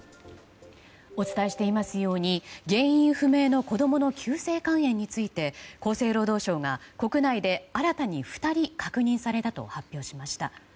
お伝えしていますように原因不明の子供の急性肝炎について厚生労働省は国内で新たに２人確認されたと発表しました。